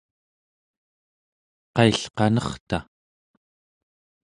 qaill’ qanerta?